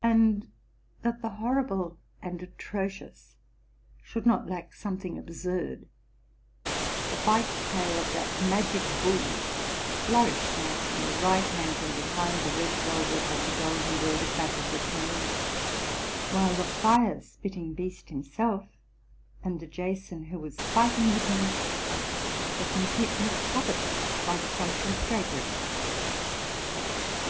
And, that the horrible and atrocious should not lack something absurd, the white tail of that magic bull flourished out on the right hand from behind the red velvet of the gold embroidered back of the throne; while the fire spitting beast himself, and the Jason who was fighting with him, were completely covered by the sumptuous drapery.